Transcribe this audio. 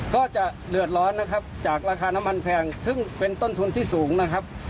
ก็จะเดือดร้อนนะครับจากราคาน้ำมันแพงซึ่งเป็นต้นทุนที่สูงนะครับ